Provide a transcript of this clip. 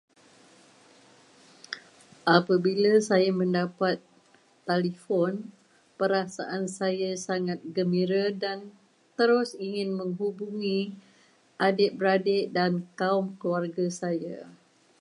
Apabila saya mendapat telefon, perasaan saya sangat gembira, dan terus ingin menghubungi adik-beradik dan kaum keluarga saya.